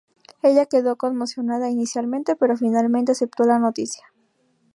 Ella quedó conmocionada inicialmente, pero finalmente aceptó la noticia.